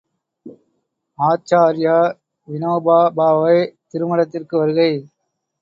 ● ஆச்சார்ய வினோபா பாவே திருமடத்திற்கு வருகை.